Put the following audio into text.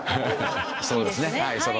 そうですねはい。